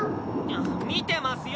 見てますよ。